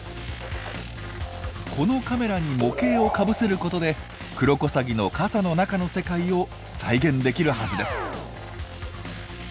このカメラに模型をかぶせることでクロコサギの傘の中の世界を再現できるはずです。